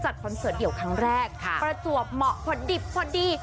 คอนเสิร์ตเดี่ยวครั้งแรกประจวบเหมาะพอดิบพอดี